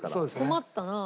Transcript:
困ったなあ。